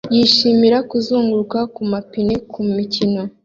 yishimira kuzunguruka kumapine kumikino